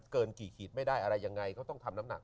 เกินกี่ขีดไม่ได้อะไรยังไงเขาต้องทำน้ำหนัก